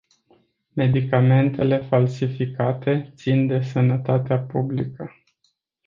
Medicamentele falsificate țin de sănătatea publică.